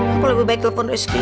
aku lebih baik telepon rizky